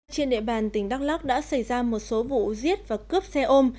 trên địa bàn tỉnh đắk lắc đã xảy ra một số vụ giết và cướp xe ôm